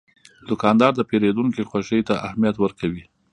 دوکاندار د پیرودونکي خوښي ته اهمیت ورکوي.